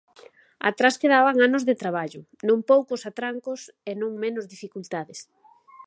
Atrás quedaban anos de traballo, non poucos atrancos e non menos dificultades.